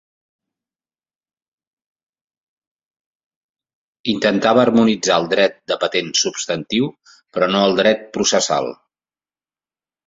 Intentava harmonitzar el dret de patents substantiu, però no el dret processal.